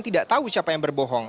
tidak tahu siapa yang berbohong